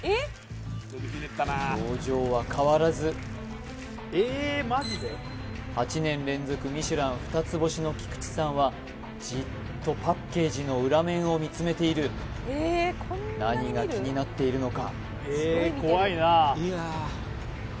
表情は変わらず８年連続ミシュラン二つ星の菊池さんはじっとパッケージの裏面を見つめている何が気になっているのか？